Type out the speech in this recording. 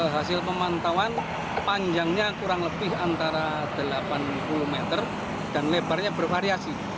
hasil pemantauan panjangnya kurang lebih antara delapan puluh meter dan lebarnya bervariasi